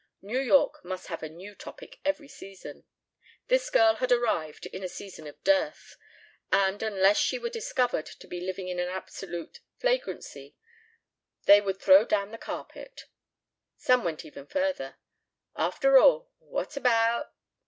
New York must have a new Topic every season. This girl had arrived in a season of dearth. And, unless she were discovered to be living in absolute flagrancy, they would throw down the carpet. Some went even further. After all, what about